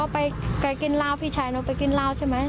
ไปกินราวพี่ชายหนูไปกินราวใช่ไหม